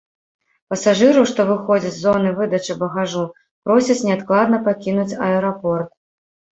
Пасажыраў, што выходзяць з зоны выдачы багажу, просяць неадкладна пакінуць аэрапорт.